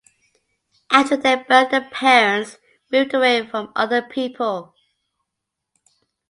After their birth the parents moved away from other people.